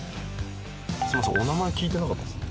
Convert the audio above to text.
すみませんお名前聞いてなかったです。